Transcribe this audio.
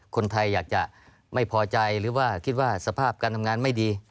คนไทยอยากจะไม่พอใจหรือว่าคิดว่าสภาพการทำงานไม่ดี